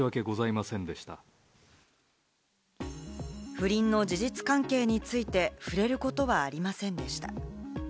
不倫の事実関係について、触れることはありませんでした。